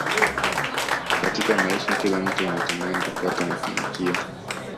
Katika maisha kila mtu anatamani kupata mafanikio